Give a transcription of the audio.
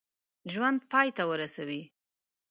ژوند پای ته ورسوي.